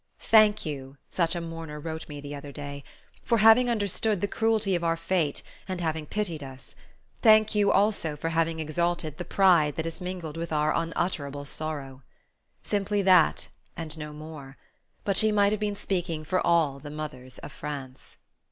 "Thank you," such a mourner wrote me the other day, "for having understood the cruelty of our fate, and having pitied us. Thank you also for having exalted the pride that is mingled with our unutterable sorrow." Simply that, and no more; but she might have been speaking for all the mothers of France.